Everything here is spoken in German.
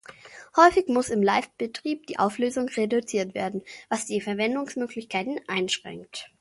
Häufig muss im Live-Betrieb die Auflösung reduziert werden, was die Verwendungsmöglichkeiten einschränkt.